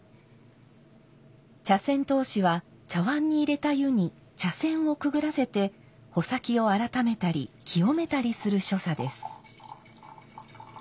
茶筅通しは茶碗に入れた湯に茶筅をくぐらせて穂先をあらためたり清めたりする所作です。